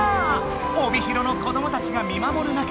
帯広の子どもたちが見まもる中